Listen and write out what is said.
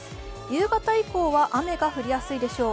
夕方以降は雨が降りやすいでしょう